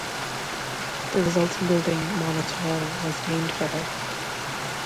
The resulting building, Monnett Hall, was named for her.